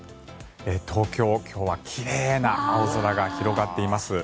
東京、今日は奇麗な青空が広がっています。